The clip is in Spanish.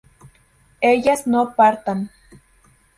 ellas no partan